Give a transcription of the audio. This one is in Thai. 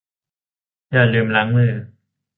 อย่าลืมล้างมือ